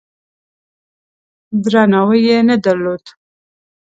درناوی یې نه درلود.